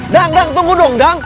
dang dang tunggu dong dang